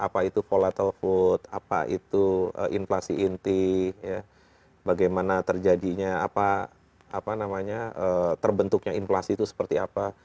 apa itu volatile food apa itu inflasi inti bagaimana terjadinya apa namanya terbentuknya inflasi itu seperti apa